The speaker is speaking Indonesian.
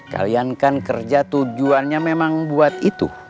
kalian kan kerja tujuannya memang buat itu